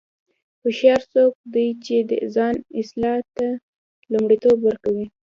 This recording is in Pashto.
هوښیار څوک دی چې د ځان اصلاح ته لومړیتوب ورکوي.